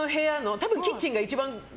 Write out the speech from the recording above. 多分、キッチンが一番。